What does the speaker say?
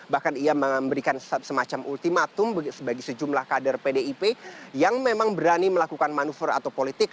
bahkan ia memberikan semacam ultimatum bagi sejumlah kader pdip yang memang berani melakukan manuver atau politik